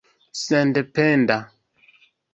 sendependa